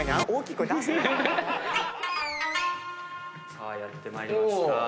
さあやってまいりました。